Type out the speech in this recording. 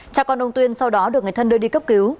cha con ông tuyên sau đó được người thân đưa đi cấp cứu